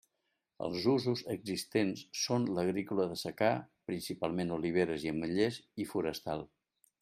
Els usos existents són l'agrícola de secà, principalment oliveres i ametllers, i forestal.